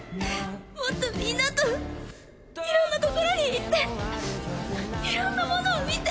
もっとみんなといろんな所に行っていろんなものを見て。